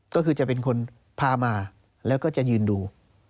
ก็คือจะเป็นคนพามาแล้วก็จะยืนดู